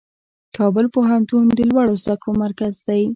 کابل پوهنتون د لوړو زده کړو مرکز دی.